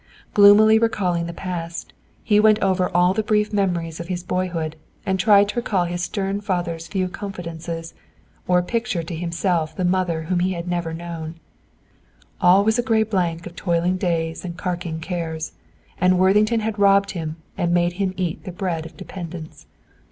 Gloomily recalling the past, he went over all the brief memories of his boyhood, and tried to recall his stern father's few confidences, or picture to himself the mother whom he had never known. All was a gray blank of toiling days and carking cares. And Worthington had robbed him and made him eat the bread of dependence.